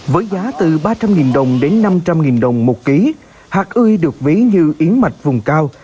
với giá từ ba trăm linh đồng đến năm trăm linh đồng một ký hạt ươi được ví như yến mạch vùng cao